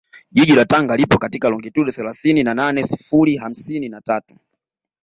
Jiji la Tanga lipo katika longitudo thelathini na nane sifuri hamsini na tatu